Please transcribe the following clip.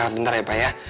bentar ya pa ya